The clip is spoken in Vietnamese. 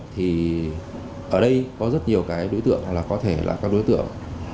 thì ở đây có rất nhiều cái đối tượng là có thể là các đối tượng